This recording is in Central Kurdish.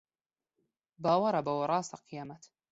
باوەڕە بەوە ڕاستە قیامەت